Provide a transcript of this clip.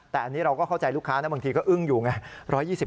แต่อันนี้เราก็เข้าใจลูกค้านะบางทีก็อึ้งอยู่ไง